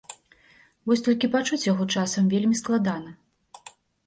Вось толькі пачуць яго часам вельмі складана.